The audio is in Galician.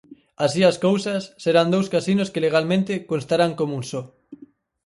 Así as cousas, serán dous casinos que legalmente constarán como un só.